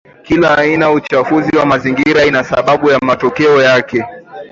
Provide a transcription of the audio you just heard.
Kila aina ya uchafuzi wa mazingira ina sababu na matokeo yake